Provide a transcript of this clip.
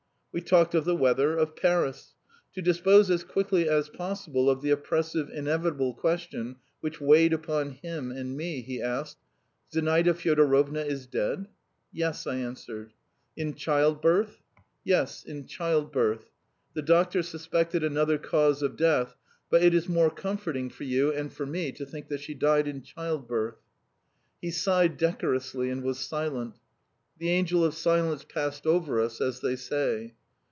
We talked of the weather, of Paris. To dispose as quickly as possible of the oppressive, inevitable question, which weighed upon him and me, he asked: "Zinaida Fyodorovna is dead?" "Yes," I answered. "In childbirth?" "Yes, in childbirth. The doctor suspected another cause of death, but ... it is more comforting for you and for me to think that she died in childbirth." He sighed decorously and was silent. The angel of silence passed over us, as they say.